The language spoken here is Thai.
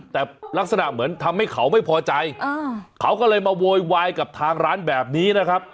แต่ลักษณะเหมือนทำให้เขาไม่พอใจเขาก็เลยมาโวยวายกับทางร้านแบบนี้นะครับ